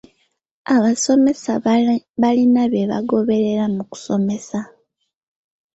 Abasomesa balina bye bagoberera mu kusomesa.